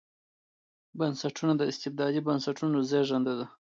بنسټونه د استبدادي بنسټونو زېږنده ده.